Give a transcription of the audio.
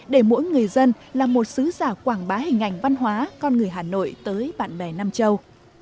để mỗi người dân là một sứ giả quảng bá hình ảnh văn hóa con người hà nội tới bạn bè nam châu